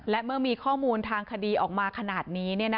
และเมื่อมีข้อมูลทางคดีออกมาขนาดนี้